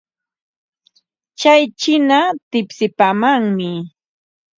Tsay chiina tipsipaamanmi.